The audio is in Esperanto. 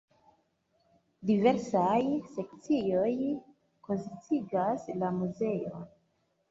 Diversaj sekcioj konsistigas la muzeon.